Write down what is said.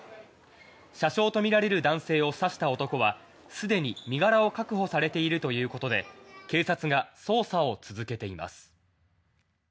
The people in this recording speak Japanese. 車掌とみられる男性を刺した男は既に身柄を確保されているということで警察が捜査を続けています。